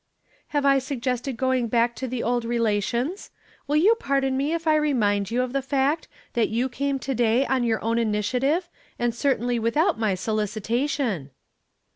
"Have I suggested going back to the old relations? You will pardon me if I remind you of the fact that you came to day on your own initiative and certainly without my solicitation."